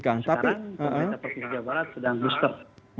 sekarang teman teman dari jawa barat sedang booster